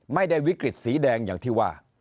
ไม่ได้วิกฤตสีแดงอย่างที่ว่า